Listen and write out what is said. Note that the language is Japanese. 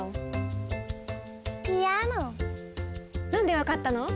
なんでわかったの？